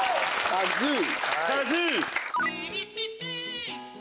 カズー！